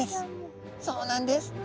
そうなんです。